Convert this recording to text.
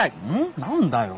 何だよ。